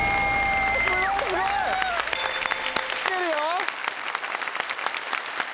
すごいすごい！きてるよ！